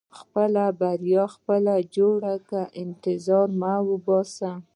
• خپله بریا خپله جوړوه، انتظار مه باسې.